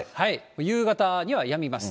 夕方にはやみます。